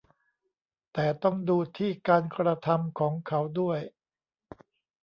แต่ต้องดูที่การกระทำของเขาด้วย